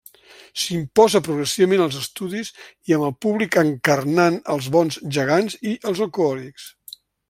S'imposa progressivament als estudis i amb el públic encarnant els bons gegants i els alcohòlics.